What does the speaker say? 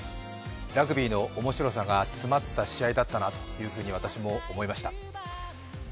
ラグビーの面白さが詰まった試合だったなと私も思いました。